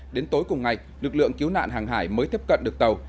đến tối cùng ngày lực lượng cứu nạn hàng hải mới tiếp cận được tàu